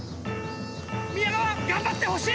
宮川頑張ってほしい！